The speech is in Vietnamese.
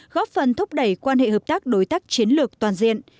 góp phần thúc đẩy quan hệ hợp tác đối tác chiến lược toàn diện